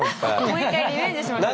もう一回リベンジしましょう。